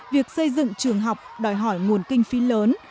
việc xây dựng trường học đòi hỏi nguồn kinh phí lớn